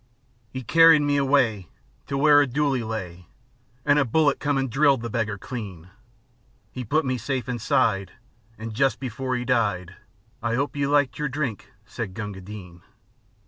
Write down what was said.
'E carried me away To where a dooli lay, An' a bullet come an' drilled the beggar clean. 'E put me safe inside, An' just before 'e died, "I 'ope you liked your drink", sez Gunga Din.